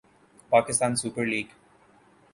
Pakistan super league